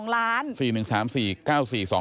๑๒ล้าน